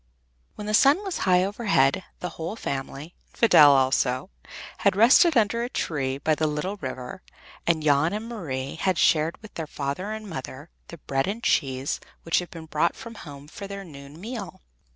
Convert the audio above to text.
When the sun was high overhead, the whole family, and Fidel also, had rested under a tree by the little river, and Jan and Marie had shared with their father and mother the bread and cheese which had been brought from home for their noon meal.